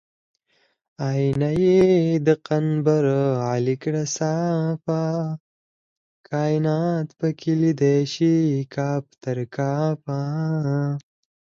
آیینه یې د قنبر علي کړه صافه کاینات پکې لیدی شي کاف تر کافه